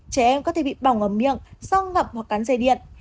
trẻ em có thể bị bỏng ở miệng sau ngập hoặc cắn dây điện